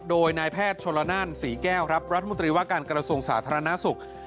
โดยนายแพทย์ชนลนานศรีแก้วรัฐมุตรีวัการกรสงค์สาธารณสุข